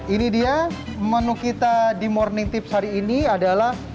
ini dia menu kita di morning tips hari ini adalah